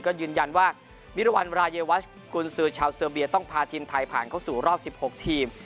ก็ยืนยันว่ามิรวรรณรายวัชกุญสือชาวเซอร์เบียต้องพาทีมไทยผ่านเข้าสู่รอบ๑๖ทีม